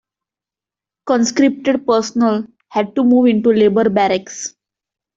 Conscripted personnel had to move into labour barracks.